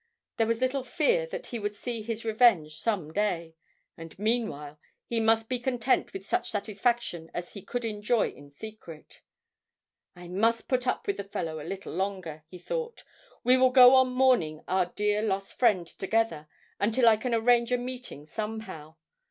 There was little fear that he would see his revenge some day, and meanwhile he must be content with such satisfaction as he could enjoy in secret. 'I must put up with the fellow a little longer,' he thought. 'We will go on mourning our dear lost friend together until I can arrange a meeting somehow.